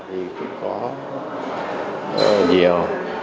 thì cũng có rất là nhiều